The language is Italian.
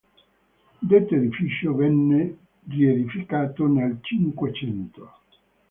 Detto edificio venne riedificato nel Cinquecento.